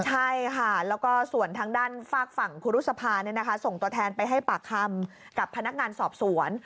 ใช่ค่ะแล้วก็ส่วนทางด้านฝากฝั่งครูรุษภาส่งตัวแทนไปให้ปากคำกับพนักงานสอบสวน